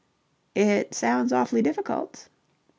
"It sounds awfully difficult."